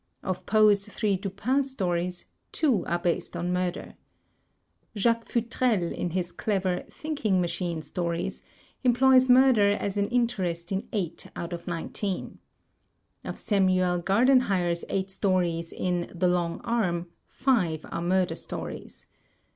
Of Poe's three Dupin stories, two are based on murder. Jacques Futrelle in his clever "Thinking Machine" stories, employs mui as an interest in eight out of nineteen. Li*".^* 228 THE TECHNIQUE OF THE MYSTERY STORY Of Samuel Gardenhire's eight stories in "The Long Arm," five are murder stories.